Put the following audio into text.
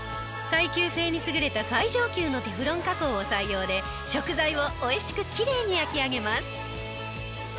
耐久性に優れた最上級のテフロン加工を採用で食材を美味しくきれいに焼き上げます。